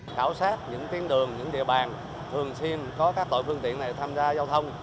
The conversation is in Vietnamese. khảo sát những tiến đường những địa bàn thường xuyên có các tội phương tiện này tham gia giao thông